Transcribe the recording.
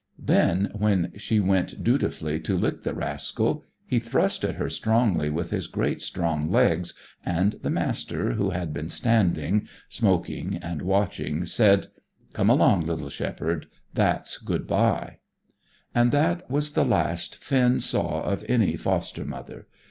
Then, when she went dutifully to lick the rascal, he thrust at her strongly with his great strong legs, and the Master, who had been standing, smoking and watching, said "Come along, little shepherd. That's good bye." And that was the last Finn saw of any foster mother.